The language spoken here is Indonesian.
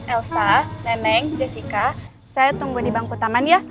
elsa neneng jessica saya tunggu di bangku taman ya